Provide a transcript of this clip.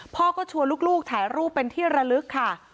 พ่อก็ชวนลูกถ่ายรูปเป็นที่ระลึกค่ะ